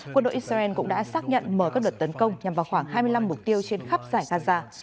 quân đội israel cũng đã xác nhận mở các đợt tấn công nhằm vào khoảng hai mươi năm mục tiêu trên khắp giải gaza